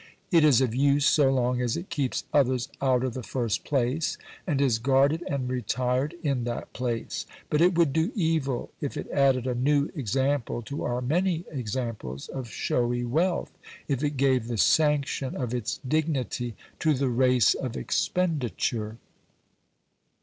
It is of use so long as it keeps others out of the first place, and is guarded and retired in that place. But it would do evil if it added a new example to our many examples of showy wealth if it gave the sanction of its dignity to the race of expenditure.